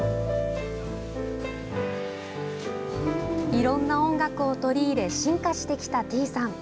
いろんな音楽を取り入れ進化してきたｔｅａさん。